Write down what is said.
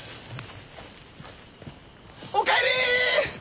お帰りっ！